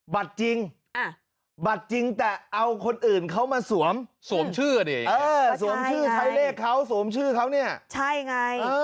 บัตรจริงบัตรจริงแต่เอาคนอื่นเขามาสวมสวมชื่อดิเออสวมชื่อใช้เลขเขาสวมชื่อเขาเนี่ยใช่ไง